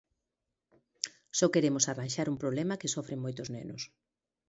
Só queremos arranxar un problema que sofren moitos nenos.